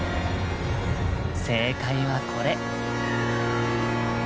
正解はこれ。